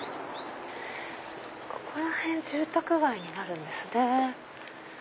ここら辺住宅街になるんですね。